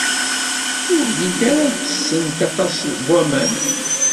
Ur llint ara ttessent aṭas n waman.